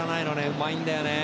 うまいんだよね。